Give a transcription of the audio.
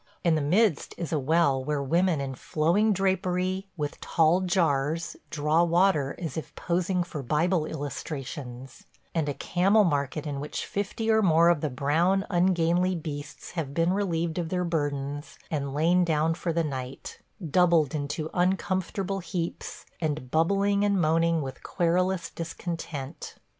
In the midst is a well where women in flowing drapery, with tall jars, draw water as if posing for Bible illustrations; and a camel market in which fifty or more of the brown, ungainly beasts have been relieved of their burdens and lain down for the night – doubled into uncomfortable heaps and bubbling and moaning with querulous discontent.